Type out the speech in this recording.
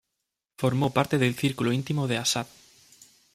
Formó parte del círculo íntimo de Assad.